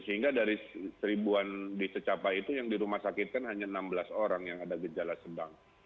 sehingga dari seribuan di secapai itu yang dirumah sakit kan hanya enam belas orang yang ada gejala sedang